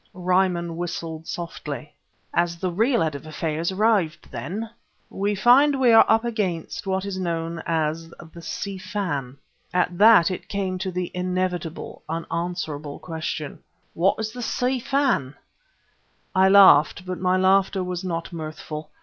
Ryman whistled softly. "Has the real head of affairs arrived, then?" "We find we are up against what is known as the Si Fan." At that it came to the inevitable, unanswerable question. "What is the Si Fan?" I laughed, but my laughter was not mirthful.